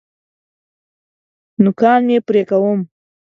نوکان مي پرې کوم .